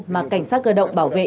mà cảnh sát cơ động bảo vệ